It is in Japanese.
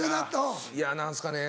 「いや何ですかね」